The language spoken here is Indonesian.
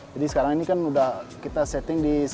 jadi sekarang ini kan udah kita setting di satu cm